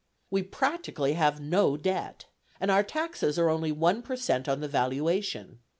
We practically have no debt, and our taxes are only one per cent on the valuation.